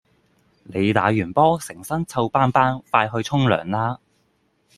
你打完波成身臭肨肨快去沖涼啦